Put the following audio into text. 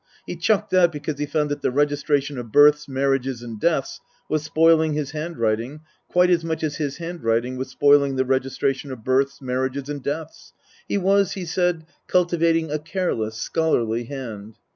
He chucked that because he found that the registration of births, marriages and deaths was spoiling his handwriting quite as much as his handwriting was spoiling the registra tion of births, marriages and deaths. (He was, he said, cultivating a careless, scholarly hand.)